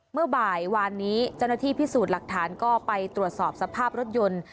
เมื่อบ่ายวานนี้เจ้าหน้าที่พิสูจน์หลักฐานก็ไปตรวจสอบสภาพรถยนต์